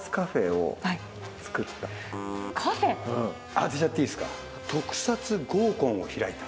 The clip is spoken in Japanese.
当てちゃっていいですか？を開いた。